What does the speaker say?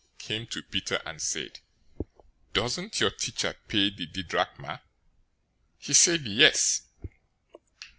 } came to Peter, and said, "Doesn't your teacher pay the didrachma?" 017:025 He said, "Yes."